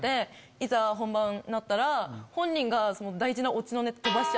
いざ本番になったら本人が。